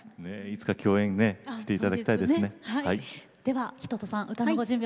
いつか共演していただきたいですね。